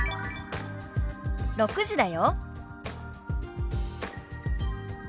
「６時だよ」。